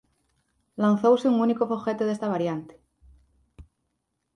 Lanzouse un único foguete desta variante.